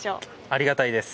ありがたいです。